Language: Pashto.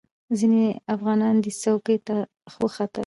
ځینې افغانان دې څوکې ته وختل.